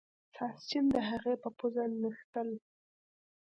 ساسچن د هغې په پوزه نښتل.